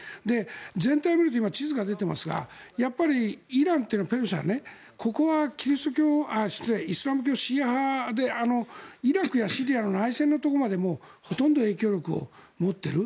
全体を見ると今、地図が出ていますがやっぱりイランというのはペルシャここはイスラム教シーア派でイラクやシリアの内戦のところまでほとんど影響力を持っている。